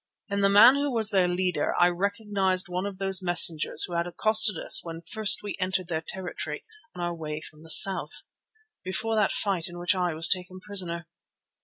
In the man who was their leader I recognized one of those messengers who had accosted us when first we entered their territory on our way from the south, before that fight in which I was taken prisoner.